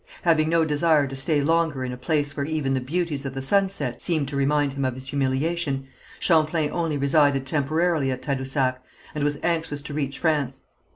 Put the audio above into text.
Having no desire to stay longer in a place where even the beauties of the sunset seemed to remind him of his humiliation, Champlain only resided temporarily at Tadousac, and was anxious to reach France.